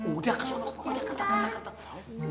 udah kesel pokoknya ketat ketat